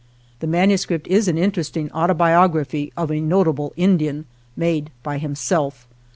" The manuscript is an interesting autobiography of a notable Indian, made by himself.